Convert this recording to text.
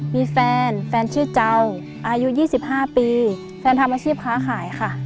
มีแฟนแฟนชื่อเจ้าอายุ๒๕ปีแฟนทำอาชีพค้าขายค่ะ